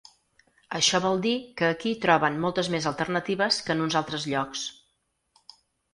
Això vol dir que aquí troben moltes més alternatives que en uns altres llocs.